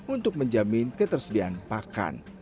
untuk menjamin keterseluruhan